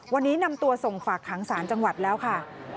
วันนี้นำตัวส่งฝากขังสารจังหวัดแล้วค่ะ